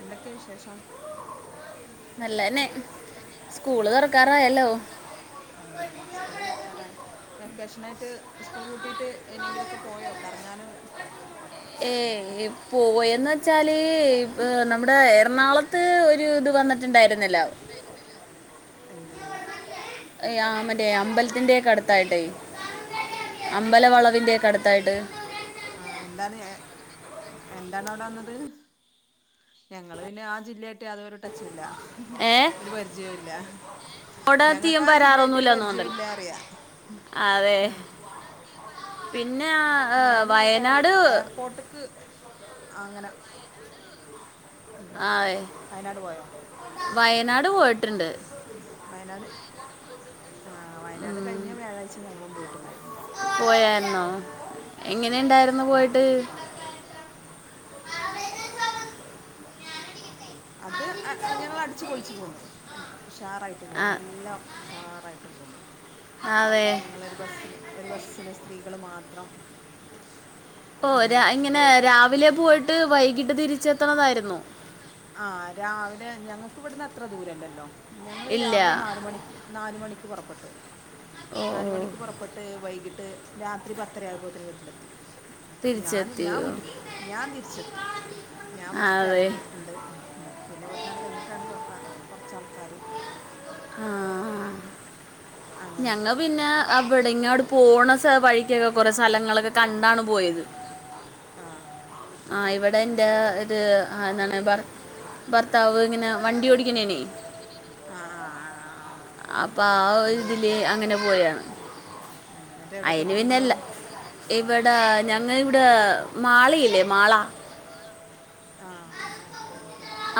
എന്തൊക്കെയ വിശേഷം നല്ലന്നെ സ്കൂള് തുറക്കാറായല്ലോ ആഹ സ്കൂള് തൊർക്കറായി എ വെക്കേഷനായിട്ട് സ്കൂൾ പൂട്ടിയിട്ട് എങ്ങട്ടെങ്കിലൊക്കെ പോയൊ ഒക്കെ കറങ്ങാനും ഏ പോയെന്ന വച്ചാല് നമ്മുടെ എറണാകുളത്ത് ഒരു ഇത് വന്നിട്ടുണ്ടായിരുന്നല്ലോ. എന്ത് ആ മറ്റേ അമ്പലത്തിന്റെ ഒക്കെ അടുത്തായിട്ടെയ് അമ്പല വളവിന്റെയൊക്കെ അടുത്തായിട്ട്. ആഹ എന്താണ് എന്താണ് അവിടെ വന്നത്? ഞങ്ങള് പിന്നെ ആ ജില്ലയായിട്ടേയാതൊരു ടച്ചുല്ല ഒരു പരിചയോല്ല. ഞങ്ങക്ക് ആ ജില്ലയായിട്ട ഒരു പരിചയോല്ല പറയാ. [unintelligible] പിന്നെ ആ ഏ വയനാട് [unintelligible] ഉ വയനാട് പോയോ? വയനാട് പോയിട്ടുണ്ട്. വയനാട് പോയിട്ടുണ്ട്. ആ വയനാട് കഴിഞ്ഞ വ്യാഴാഴ്ച ഞങ്ങളും പോയിട്ടുണ്ടായിരുന്നു. പോയായിരുന്നോ, എങ്ങനെ ഇണ്ടായിരുന്നു പോയിട്ട്? അത് ഞങ്ങള് അടിച്ച് പൊളിച്ച്ച് പോന്നു ഉഷാറായിട്ട് പോന്നു നല്ലാം ഉഷാറായിട്ട്. ഞങ്ങള് ഒരു ബസിലു ഒരു ബസിലു സ്ത്രീകളു മാത്രം [unintelligible] ഓ രാ ഇങ്ങനെ രാവിലെ പോയിട്ട് വൈകിട്ട് തിരിച്ചെത്തണതായിരുന്നോ? ആ രാവിലെ ഞങ്ങൾക്കിവ്ടുന്ന് അത്ര ദൂരല്ലല്ലോ, ഞങ്ങൾ രാവിലെ നാല് മണിക്ക് നാല് മണിക്ക് പുറപ്പെട്ട്. നാല് മണിക്ക് പുറപെട്ട് വൈകിട്ട് ട്ട് രാത്രി പത്തര ആയ പോത്തിന് വീട്ടിലെത്തി. ഞാൻ ഞാൻ വീട്ടിൽ ഞാൻ തിരിച്ചെത്തി ഞാൻ ഫസ്റ്റ് ഇറങ്ങിട്ട്ണ്ട്. ഉം പിന്നെ ഇവിടുന്നങ്ങട് കഴിഞ്ഞിട്ടാണ് കൊറച്ചാൾക്കാര്. ആഹ ആ ഞങ്ങ പിന്നെ അവിടെ ഇങ്ങട് പോണ വഴിക്കൊക്കെ കൊറെ സ്ഥലങ്ങളൊക്കെ കണ്ടാണ് പോയത്. ആഹ ഇവിടെ എന്റെ ഇത് എന്താണ് പറ ഭർത്താവ് ഇങ്ങനെ വണ്ടി ഓടിക്കണേണേ. അപ്പൊ ആ ഒരു ഇതില് അങ്ങനെ പോയതാണ്. ആ എന്നിട്ട എവിട ടൊക്കെ പോയി ഇങ്ങള്. ഇവിടെ ഞങ്ങക്ക് ഇവിടെ മാളയില്ലേ മാളാ ആഹ് മാള കേട്ടിട്ടില്ല.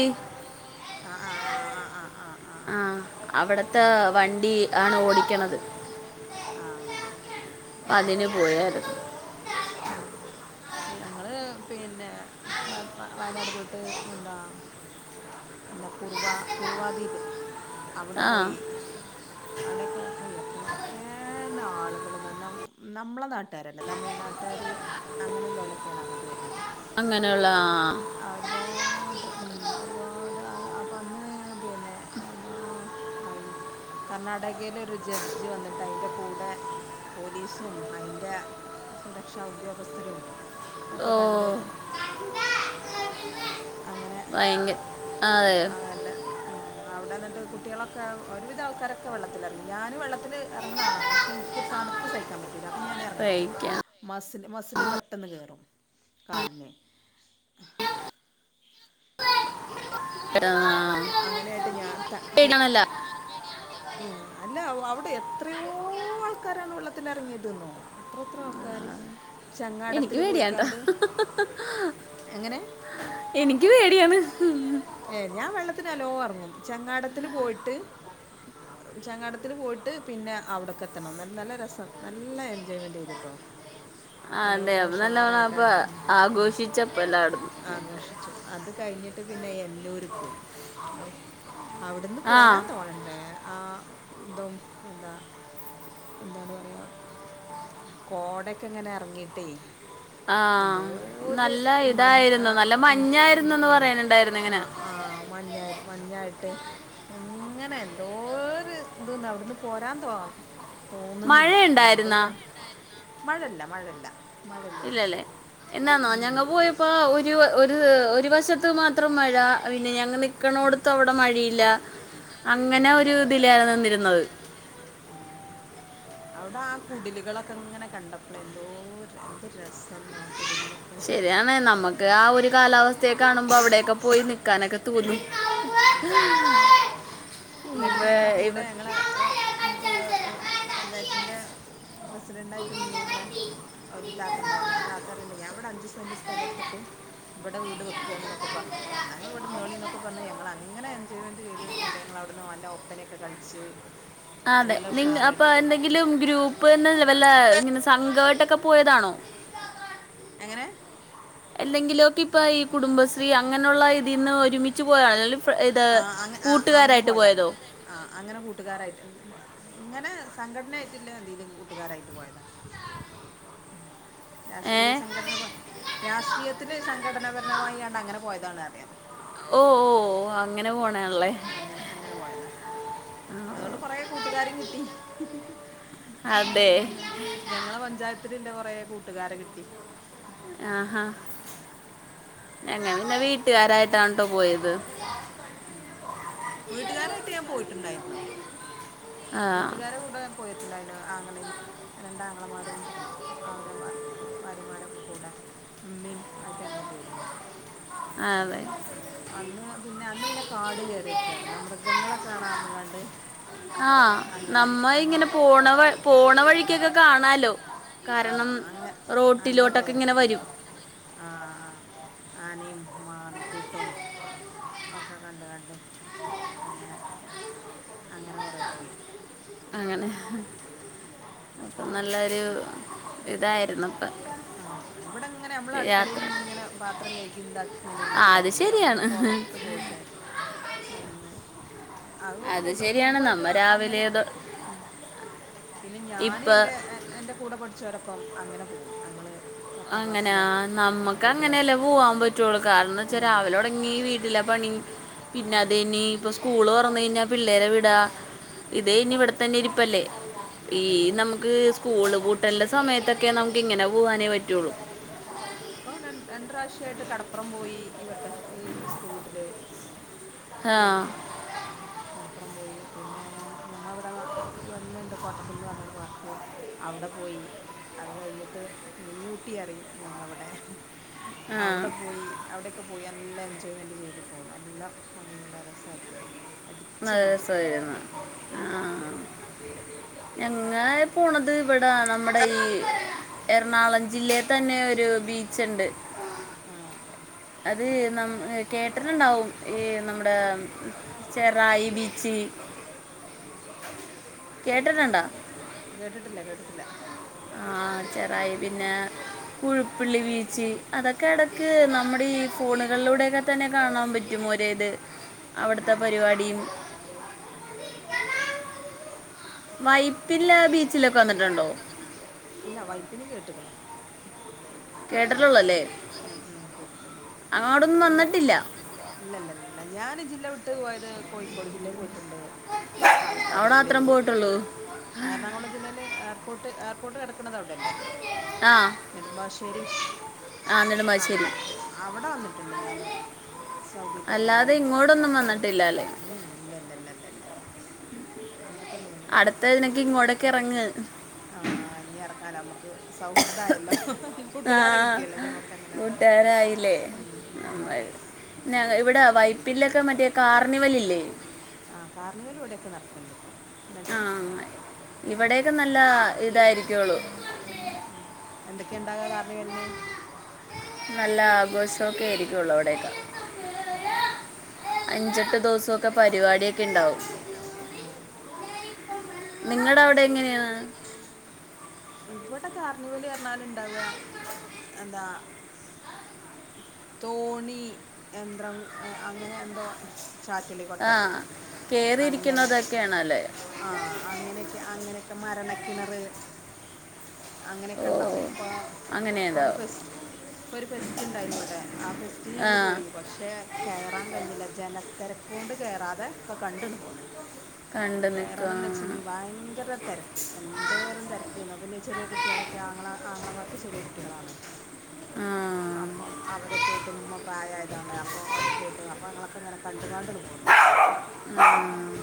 കൊടുങ്ങല്ലൂര്. ആ ആ ആ ആഹ അവിടത്തെ വണ്ടി ആണ് ഓടിക്കണത്. ആഹ [unintelligible] ഞങ്ങള് പിന്നെ വയനാട് പോയിട്ട് എന്താ എന്താ കുർവാ കുറവാ ദ്വീപ് അവിടെ പോയി. അവിടൊക്കെ എത്ര എത്രാളുകൾ ന്ന ന്ന നമ്മളെ നാട്ടുകാരല്ല തമിഴ് നാട്ടാര് അങ്ങനെയുള്ളലൊക്കെയാണ് അങ്ങോട്ട് വരുന്നത്. ആ ഒരു പാട് ആ വന്ന് പിന്നെ ന്താ കർ എലരു ജഡ്ജി വന്നിട്ട് അതിൻ്റെ കൂടെ പോലീസും. അതിന്റെ സുരക്ഷാ ഉദ്യോഗസ്ഥരും ഒക്കെ കണ്ട്. അങ്ങനെ ആല്ല ഉ അവിടെന്നിട്ട് കു കുട്ടികളൊക്കെ ഒരുവിധ ആൾക്കാരൊക്കെ വെള്ളത്തിലിറങ്ങി. ഞാനും വെള്ളത്തിൽ ഇറങ്ങുന്ന ആളാണ് പക്ഷേ എനിക്ക് തണുപ്പ് സഹിക്കാൻ അപ്പ ഞാനെറങ്ങൂല മസിൽ പെട്ടെന്ന് കേറും, കാലില് ആ അങ്ങനായിട്ട് [unintelligible] വെള്ളത്തിലെറങ്ങാനും പേടിയാവൂല, അല്ല അവിടെ എത്രയോ ആൾക്കാരാണ് വെള്ളത്തിലറങ്ങിയതെന്നോ അത്ര അത്ര ആൾക്കാര് ചങ്ങാടത്തില് പോയിക്കാണ്ട് എങ്ങനെ എനിക്ക് പേടിയാണ് ഏ ഞാൻ വെള്ളത്തിന അലോ ഇറങ്ങും ചങ്ങാടത്തില് പോയിട്ട് ചങ്ങാടത്തിൽ പോയിട്ട് പിന്നെ അവിടക്കെ എത്തണം എന്ന നല്ല രസം നല്ല എൻജോയ്മെന്റ് ചെയ്തിട്ടോ ആ അതെ അപ്പ നല്ലവണം അപ്പൊ ആഘോഷിച്ചപ്പല്ല ആഘോഷിച്ചു അത് കഴിഞ്ഞിട്ട് പിന്നെ എല്ലൂരി പോയി ഔ അവിടുന്ന് പോരാൻ തോണണ്ടേ ദം എന്താ എന്താണ് പറയാം കോടക്കെ എങ്ങനെ ഇറങ്ങീട്ടേ ആ നല്ല ഇതായിരുന്നു നല്ല മഞ്ഞായിരുന്നുന്ന് പറയാനണ്ടായിരുന്നു ഇങ്ങനെ ആ മഞ്ഞ മഞ്ഞായിട്ട് ഇങ്ങനെ എന്തോ ഒരു ഇതന് അവിടുന്ന് പോരാൻ തോ തോന്നുന്നില്ല എന്നിട്ട് ഞാൻ മഴല്ല മഴല്ല മഴല്ലായിരുന്നു എന്നാന്നോ ഞങ്ങ പോയപ്പോ ഒരു ഒരു വശത്ത് മാത്രം മഴ പിന്നെ ഞങ്ങ നിക്കണം ടുത്ത് അവിടെ മഴിയില്ല അങ്ങനെ ഒരു ഇതിലാണ് നിന്നിരുന്നത് അവിടെ ആ കുടിലുകളൊക്കെ ഇങ്ങനെ കണ്ടപ്പോള എന്തോ എന്ത് രസംന്നോ ശരിയാണ് നമ്മുക്ക് ആ ഒരു കാലാവസ്ഥയെ കാണുമ്പോ അവിടെൊക്കെ പോയി നിക്കാനൊക്കെ തോന്നി ഉം എന്നിട്ട് ഞങ്ങളുടെ കൂടെ ഞങ്ങള പഞ്ചായത്തിന്റെ പ്രസിഡന്റ ആയിട്ട് നിന്നിരുന്ന അവ അത്തണ്ടായി അകത്ത അറിയണ്ടണ്ട് ഞാൻവി അഞ്ച് സെന്റ് സ്ഥലംടുത്തിട്ട് ഇവടെ വീട് വെക്കയണ എന്നൊക്ക പറഞ്ഞു നന്നായി ഞങ്ങളൾ ഇവിടന്തോളി എന്നന്നൊക്ക പറഞ്ഞഞ് ഞങ്ങനെ എൻജോയ്മെൻറ് ചെയ്ത്തുണ്ട് ഞങ്ങള അവിടുന്ന്ല്ല ഒപ്പനൊക്കെ കളിച്ച് അതെ നി അപ്പൊ എന്തെങ്കിലും ഗ്രൂപ്പ്ന്ന് വല്ല ഇങ്ങനെ സംഘമായിട്ടൊക്കെ പോയതാണോ എങ്ങനെ എന്തെങ്കിലോ ഇപ്പ ഈ കുടുംബശ്രീ അങ്ങനെയുള്ള ഇതിൽന്ന് ഒരുമിച്ച് പോയാണങ്കിൽ ഇ കൂട്ടുകാരായിട്ട് അനെ കൂട്ടുകാറായിട് ഇങ്ങനെ സംഘടനയായിട്ടില്ല എന്തെങ്കലും കൂട്ടുകാരായിട്ട് പോയതാ രാഷ്ട്രീയ സംഘടന രാഷ്ട്രീയത്തിലെ സം ഘടനപരണമായി ണ്ട് അങ്ങനെ പോയതാണ് അറിയാം അങ്ങനെ അങ്ങനെ പോയതാ അതുകൊണ്ട് കൊറെ കൂട്ടുകാരും കിട്ടി ഞങ്ങള പഞ്ചായത്തില ഇല്ല കൊറെ കൂട്ടുകാരെ കിട്ടി ആ എങ്ങന പിന്നെ വീട്ടുകാരായിട്ടാണ് കേട്ടോ പോയത് ഉം വീട്ടുകാരായിട്ട് ഞാൻ പോയിട്ടുണ്ടായിരുന്നോ വീട്ടുകാര കൂടെ പോയിട്ടുണ്ടായിരുന്നു ആങ്ങളും റെന്തങ്ങളമാരും അവരെ ഭാര്യമാരൊക്കെ കൂടെ മീൻ ആയിട്ട് ഞങ്ങള്ൾ പോയിരുന്നു ഉ അതും അന്ന് പിന്നെ അന്ന് പിന്നെ കാട് കയറിയൊക്കാണമൃഗങ്ങളൊ കാെണർന്ന കണ്ട് ആ നമ്മ ഇങ്ങനെ പോണ പോണ വഴിക്കൊക്കെ കാണാലോ ആ അങ്ങ അങ്ങനെ കേറി ആ ആ ആന മാൻ കൂട്ടോം ഒക്കെ കണ്ട് കണ്ട് അങ്ങനെ അങ്ങനെ കുറെ പോയി അങ്ങനെ അപ്പൊ നല്ലൊരു ഇതായിരുന്നു ഉ ആ ഇവിടെ ഇങ്ങനെ നമ്മൾ അടുക്കളയിൽ ഇങ്ങനെ പാത്രം കഴുകി ഇതാക്കി ഇങ്ങനെ ഇരിട്ട് കാര്യമല്ലല്ലോ അപ്പൾ ഒന്ന് പുറത്ത് പോയിട്ട് ഒന്ന് അത് കൂട്ട കുടുംബമായിട്ട് അങ്ങനെ പിന്നെ ഞാന് എൻ്റെ എന്റെ കൂടെ പഠിച്ചവരെപ്പം അങ്ങനെ പോകും ഞങ്ങള് അങ്ങനെയാ നമുക്ക് അങ്ങനെയല്ലേ പോവാൻ പറ്റുള്ളൂ കാരണം എന്ന് വെച്ചാ രാവിലെ തുടങ്ങി വീട്ടില് പ ഉം പിന്നെ അതനി ഇപ്പ സ്കൂള് തുറന്ന് കഴിഞ്ഞാ പിള്ളേരെ വിടാ ഇതേ ഇനി ഇവിടത്തന്നെ ഇരിപ്പല്ലേ ഈ നമുക്ക് സ്കൂള് പൂട്ടലന്റെ സമയത്തൊക്കെ നമുക്ക് ഇങ്ങനെ പോവാനെ പറ്റി അപ്പൊ രണ് രണ്ട് പ്രാവ്യ ഈയിട്ട് കടപ്പുറം പോയി ഇവൊക്കെ ഈ സ്കൂൾ പൂട്ടില് പിന്നെ അ കടപ്പുറം പോയി പിന്നെ ഞങ്ങളിവിടെ [unintelligible] കോട്ടക്കുന്ന്ന്ന് പറഞ്ഞരു പാർക്ക് അവിടെ പോയി അത് കഴിഞ്ഞിട്ട് മിനിയൂട്ടി ഇറങ്ങി ഞങ്ങളവിടെ അവിടെ പോയി അവിടെയൊക്കെ പോയി നല്ല എൻജോയ്മെന്റ് ചെയ്ത് പോന്ന് നല്ല നല്ല രസായിട്ടുണ്ട് നല്ല രസായിരുന്നു ആ ഞങ്ങെ പോണത് ഇവിട നമ്മുടെ ഈ എറണാകളം ജില്ലയിൽ തന്നെ ഒരു ബീച്ച് ഉണ്ട് അത് കേട്ടിട്ടുണ്ടാവും ഈ നമ്മുടെ ചെറായി ബീ ച്ചി കേട്ടിട്ടുണ്ടോ കേട്ടിട്ടില്ല കേട്ടിട്ടില്ല ആ ചെറായി പിന്നെ പുഴുപ്പുള്ളി ബീച്ച് അതൊ ക്കെ ഇടക്ക് നമ്മുടെ ഈ ഫോണുകളിലൂടെക്കെ തന്നെ കാണാൻ പറ്റും ഒരേത് അവിടുത്തെ പരിപാടിയും വൈപ്പില്ല ബീച്ചിലൊക്കെ വന്നിട്ടുണ്ടോ കേട്ടിട്ടുണ്ട് ഉം ഉം കേട്ടിട്ടുള്ളോ ഞാ ഇല്ല ഇല്ല ല്ല ഞാൻ ഈ ജില്ല വിട്ട് പോയത് കോഴിക്കോട് ജില്ലയിയില് പോയി ണ്ട് പാലക്കാട് ജില്ലയിൽ പോയിട്ടുണ്ട് എറണാകുളം ജില്ലയില് എയർപോട്ട് പോട്ട് കിടക്കണതവിടെല്ലേ നെടുമ്പാശ്ശേരി അവിടെ അവിടെ വന്നിട്ടുണ്ട് ഞാന് സൗദി പോവാൻ വേണ്ടീട്ട് ഉം ഇല്ലല്ല ഇല്ലല്ല ഇല്ലല്ല അങ്ങട്ടൊന്നും വന്നിട്ടില്ല ആ ഇനി ഇറങ്ങാനമ്മ സൗഹൃദായല്ലോ ആ കൂട്ടുകാരായില്ലേ നമ്മൾ പിന്നെ ഇവിടെ വൈപ്പിലൊക്കെ മറ്റേ കാർണിവല് ഇല്ലേ ആ കാർണിവൽ ഇവിടെയക്കെ നട ആ ഇവിടെയൊക്കെ നല്ല ഇതായിരിക്കള്ളു എന്തൊക്കെയ ഇണ്ടാവ കാർണിവെല്ലില് നല്ല ആഘോഷമൊക്കെ ആയിരിക്കുവള്ളൂ അവിടയൊക്കെ ആ അഞ്ചെട്ട് ദിവസം ഒക്കെ പരിപാടിയൊക്കെ ഉണ്ടാവും നിങ്ങടെ അവിടെ എങ്ങനെയാ ഇവിടെ കാർണിവല് പറഞ്ഞാൽ ഉണ്ടാവുക എന്താ തോണി യന്ത്രം അങ്ങനെ എന്തോ ആ കേറിയിരിക്കുന്നതൊക്കെയാണല്ല ആ അങ്ങനെയൊക്കെ അങ്ങനെയൊക്കെ മരണക്കിണറ് അങ്ങനെയൊക്കെ ഉണ്ടാവും ഇപ്പോ ഇപ്പോ ഒരു ഫസ്റ്റ് ഇപ്പൊ ഒരു ഫെസ്റ്റ്ണ്ടായിന്നു ഇവിടെ ആ ഫെസ്റ്റന് ഞങ്ങള് പോയി പക്ഷെ കയറാൻ കഴിഞ്ഞില്ല ജനത്തിരക്കൊണ്ട് കയറാതെ ഒകെ കണ്ടുന്നു പോന്നു കേറണന്ന് വെച്ചെങ്കി ഭയങ്കര തിരക്ക് എന്തോരം തിര ചെറിയ കുട്ടികളൊക്കെ ആങ്ങള ആങ്ങളമാർക്കെ ചെറിയ കുട്ടികളാണ് ആ അവരൊക്കെട്ടും ഉമ്മ പ്രായയതാണ് അപ്പോ ഒരൊക്കേട്ട് അപ്പോ ങ്ങളൊക്കെ അങ്ങനെ കണ്ടുകാണ്ട് ഇങ് പോന്നു [unintelligible]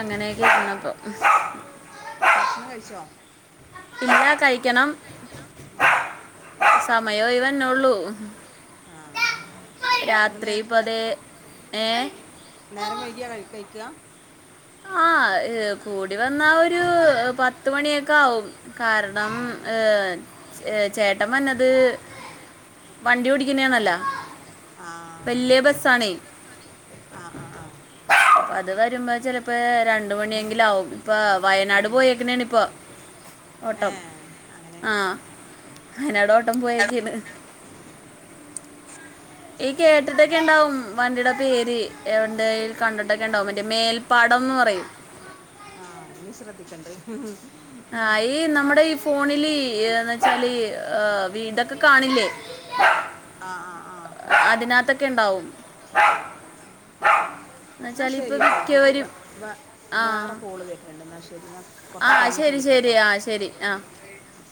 അങ്ങനെയൊക്കെ ആണ് പ്പോ ഭക്ഷണം കഴിച്ചോ ഇല്ലാ കഴിക്കണം സമയായി വര്ണെള്ളൂ ആ ആ രാത്രി പ്പോ അത് ഏ [inaudible] ആ കൂടി വന്നാ ഒരു പത്ത് മണിയൊക്കെ ആവും കാരണം ഏ ചേട്ടൻ വന്നത് [inaudible] ആ അ അത് വരുമ്പോ ചിലപ്പേ രണ്ട് മണിയേങ്കിലും ആവും ഇപ്പൊ വയനാട് പോയേകിനേണ് പ്പോ ഓട്ടം ആ അയിനട പോയേക്കിണ് [inaudible] ണ്ടാവും വണ്ടിടെ പേര് [unintelligible] കണ്ട്ട്ടൊക്കെ ണ്ടാവും മറ്റേ മേൽപ്പാടംന്ന് പറയും ആ ഇനി ശ്രദ്ധി ആ ഈ നമ്മടെ ഈ ഫോണില് വീടൊക്കെ കാണില്ലേ ആ ആ ആ ക്കെ ണ്ടാവും [inaudible] ന്നാ ശരിട്ടോ ഇൻക്കവ വ വേറെ കോള് വര്ന്ണ്ട് ന്ന ശരി ഞാ കുറച്ച് കഴിഞ്ഞിട്ട് വിളിക്കട്ടോ അ ഓക്കെ